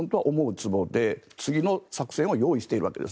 つぼで次の作戦を用意しているわけです。